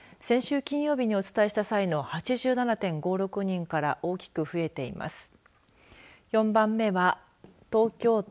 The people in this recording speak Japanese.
先週金曜日にお伝えした際の７５．６０人から大きく増えています。